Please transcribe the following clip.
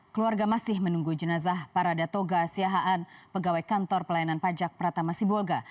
keluarga masih menunggu jenazah parada toga siahaan pegawai kantor pelayanan pajak pratama sibolga